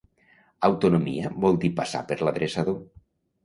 Autonomia vol dir passar per l'adreçador